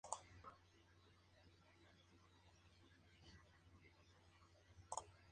Al evaluar, era implacable para exigir total manejo de los principios fundamentales.